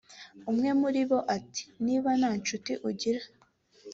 “ Umwe muri bo ati “ Niba nta nshuti ugira